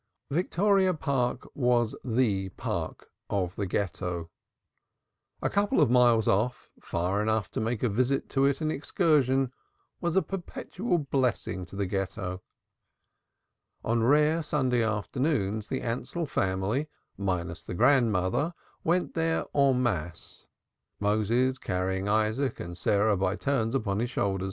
Victoria Park was the Park to the Ghetto. A couple of miles off, far enough to make a visit to it an excursion, it was a perpetual blessing to the Ghetto. On rare Sunday afternoons the Ansell family minus the Bube toiled there and back en masse, Moses carrying Isaac and Sarah by turns upon his shoulder.